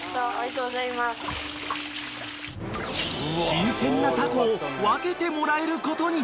［新鮮なタコを分けてもらえることに］